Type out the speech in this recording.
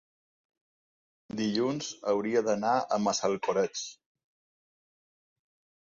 dilluns hauria d'anar a Massalcoreig.